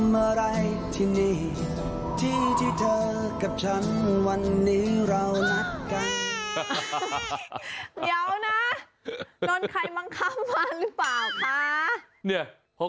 เดี๋ยวนะโดนใครมังคัมมาหรือเปล่าคะ